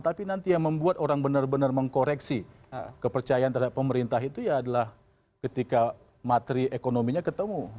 tapi nanti yang membuat orang benar benar mengkoreksi kepercayaan terhadap pemerintah itu ya adalah ketika materi ekonominya ketemu